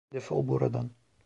Defol buradan!